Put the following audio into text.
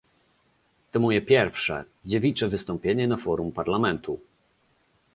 To moje pierwsze, dziewicze wystąpienie na forum Parlamentu